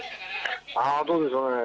どうでしょうね。